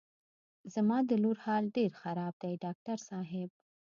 زما د لور حال ډېر خراب دی ډاکټر صاحب.